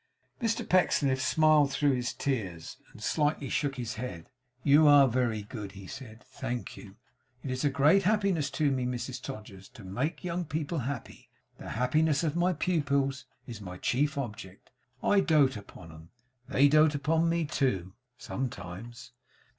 Mr Pecksniff smiled through his tears, and slightly shook his head. 'You are very good,' he said, 'thank you. It is a great happiness to me, Mrs Todgers, to make young people happy. The happiness of my pupils is my chief object. I dote upon 'em. They dote upon me too sometimes.